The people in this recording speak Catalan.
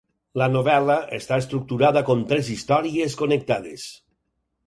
La novel·la està estructurada com tres històries connectades.